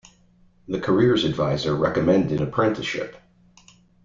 The careers adviser recommended an apprenticeship.